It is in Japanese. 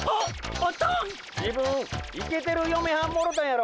自分イケてるよめはんもろたんやろ？